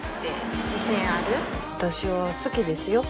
私は好きですよ。